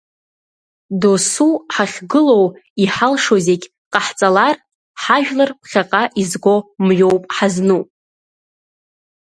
Досу ҳахьгылоу иҳалшо зегь ҟаҳҵалар, ҳажәлар ԥхьаҟа изго мҩоуп ҳазну.